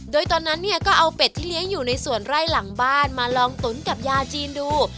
โดยตอนนั้นเนี่ยก็เอาเป็ดที่เลี้ยงอยู่ในส่วนไร่หลังบ้านมาลองตุ๋นกับยาจีนดู